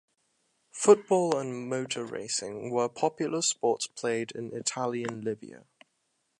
Football and motor racing were popular sports played in Italian Libya.